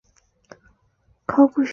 现为香港古物古迹办事处考古学家。